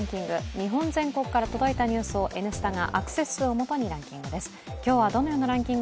日本全国から届いたニュースを「Ｎスタ」がアクセス数をもとにランキング。